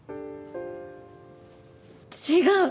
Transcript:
違う！